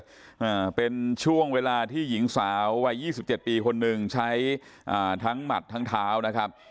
อ่าเป็นช่วงเวลาที่หญิงสาววัยยี่สิบเจ็ดปีคนหนึ่งใช้อ่าทั้งหมัดทั้งเท้านะครับ